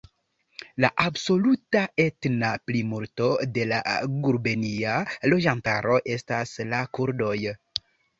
La absoluta etna plimulto de la gubernia loĝantaro estas la kurdoj.